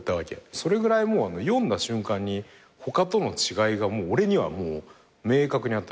それぐらい読んだ瞬間に他との違いが俺にはもう明確にあった。